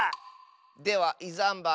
では「いざんば」